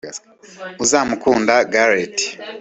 Uzamukunda Goleti